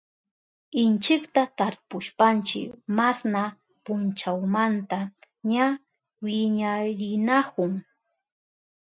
Inchikta tarpushpanchi masna punchamanta ña wiñarinahun.